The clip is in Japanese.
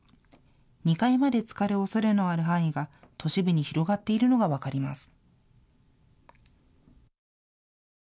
２階までつかるおそれのある範囲が都市部に広がっているのが分かります。